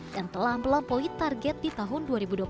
dan telah melampaui target di tahun dua ribu dua puluh satu